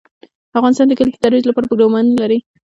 افغانستان د کلي د ترویج لپاره پروګرامونه لري.